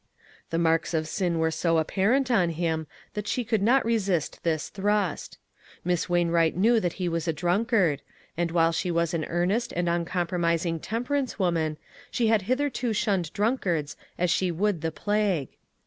The marks of sin were so apparent on him that she could not resist this thrust. Miss Wainwright knew he was a drunk ard; and while she .was an earnest and uncompromising temperance woman, she had hitherto shunned drunkards as she would the plague.